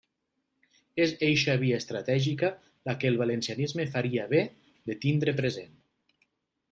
És eixa via estratègica la que el valencianisme faria bé de tindre present.